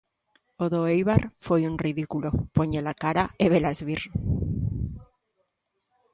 O do Éibar foi un ridículo, poñela cara e velas vir.